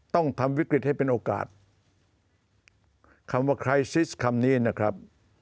ต้องทำวิกฤตให้เป็นโอกาสคำว่าใครซิสคำนี้นะครับ